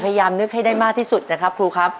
นึกให้ได้มากที่สุดนะครับครูครับ